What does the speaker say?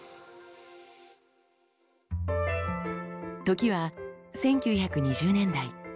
時は１９２０年代。